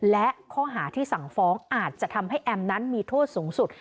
และข้อหาที่สั่งฟ้องอาจจะทำให้แอมนั้นมีโทษสูงสุด